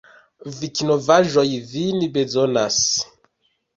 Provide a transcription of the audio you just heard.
Vikinovaĵoj vin bezonas!